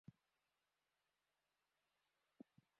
জনগণকে নিরাপত্তার নাম করে ধরে নিয়ে গিয়ে মোটা অঙ্কের টাকা দাবি করে।